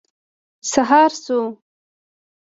سهار شو.